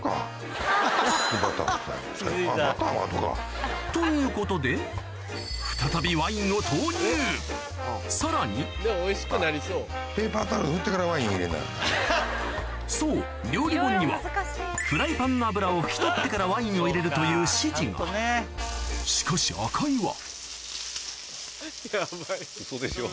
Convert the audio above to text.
バターも加える最後。ということでさらにそう料理本にはフライパンの油を拭き取ってからワインを入れるという指示がしかし赤井は違うんすよ。